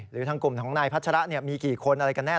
หรือทางกลุ่มของนายพัชระมีกี่คนอะไรกันแน่